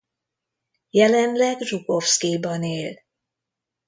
Jelenleg Zsukovszkijban él.